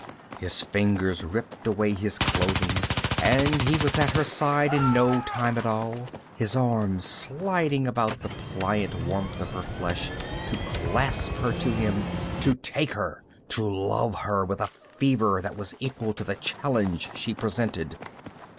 His fingers ripped away his clothing and he was at her side in no time at all, his arms sliding about the pliant warmth of her flesh to clasp her to him. To take her. To love her with a fever that was equal to the challenge she presented.